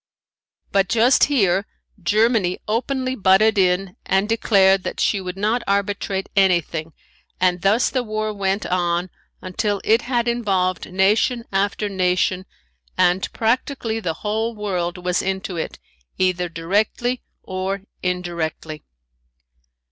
But just here Germany openly butted in and declared that she would not arbitrate anything and thus the war went on until it had involved nation after nation and practically the whole world was into it either directly or indirectly.